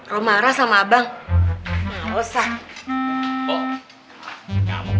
rom marah sama abang gak usah